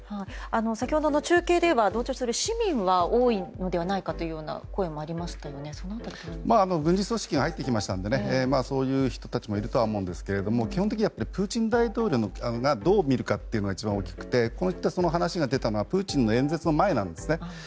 先ほどの中継では同調する市民は多いのではないかという声もありましたが軍事組織が入ってきたのでそういう人たちもいるとは思いますが基本的にはプーチン大統領がどう見るかというのが一番大きくてこういった話が出たのはプーチンの演説の前なんですね。